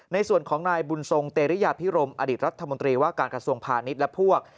ในส่วนของนายบุญทรงเตรียพิรมอดีตรัฐมนตรีว่าการกระทรวงพาณิชย์และพวก